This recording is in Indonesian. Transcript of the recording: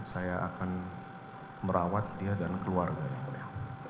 saya akan merawat dia dan keluarga yang mulia